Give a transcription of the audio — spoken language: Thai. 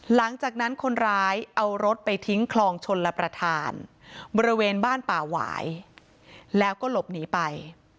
หลังจากนั้นคนร้ายเอารถไปทิ้งคลองชนรับประทานบริเวณบ้านป่าหวายแล้วก็หลบหนีไป